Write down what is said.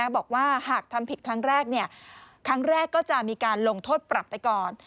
บอกว่าหากทำผิดครั้งแรกครั้งแรกก็จะมีการลงโทษปรับไปก่อน